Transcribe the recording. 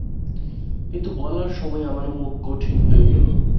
কিন্তু বলার সময় আপনার মুখ কঠিন হয়ে গেল।